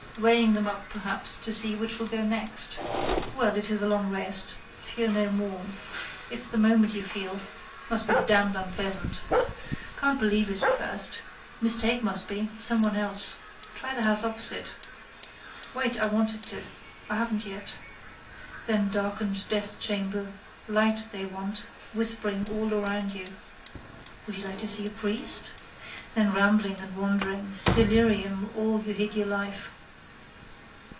Weighing them up perhaps to see which will go next. Well, it is a long rest. Feel no more. It's the moment you feel. Must be damned unpleasant. Can't believe it at first. Mistake must be: someone else. Try the house opposite. Wait, I wanted to. I haven't yet. Then darkened deathchamber. Light they want. Whispering around you. Would you like to see a priest? Then rambling and wandering. Delirium all you hid all your life.